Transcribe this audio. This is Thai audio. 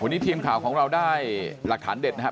วันนี้ทีมข่าวของเราได้หลักฐานเด็ดนะครับ